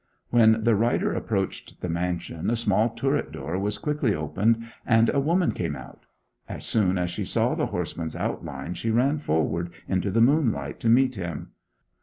When the rider approached the mansion a small turret door was quickly opened and a woman came out. As soon as she saw the horseman's outlines she ran forward into the moonlight to meet him.